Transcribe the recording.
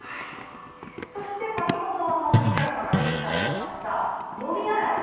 先ほどＶＴＲの中でお伝えしたもみ洗い。